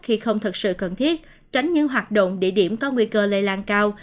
khi không thật sự cần thiết tránh những hoạt động địa điểm có nguy cơ lây lan cao